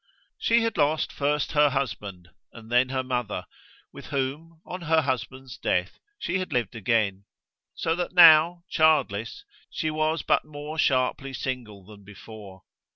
She had lost first her husband and then her mother, with whom, on her husband's death, she had lived again; so that now, childless, she was but more sharply single than before.